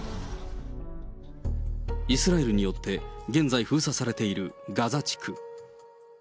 イスラエルによって現在封鎖されているガザ地区。